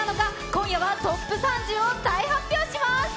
今夜はトップ３０を大発表します。